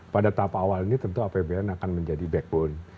pada tahap awal ini tentu apbn akan menjadi backbone